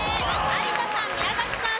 有田さん宮崎さん